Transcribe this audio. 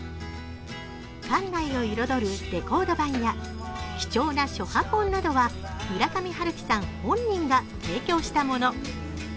館内を彩るレコード盤や貴重な初版本などは村上春樹さん本人が提供したもの。